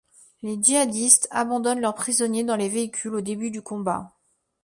Les djihadistes abandonnent leurs prisonniers dans les véhicules au début du combat.